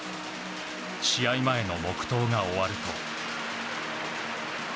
試合前の黙祷が終わると。